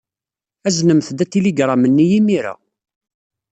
Aznemt-d atiligṛam-nni imir-a.